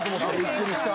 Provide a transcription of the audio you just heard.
びっくりした。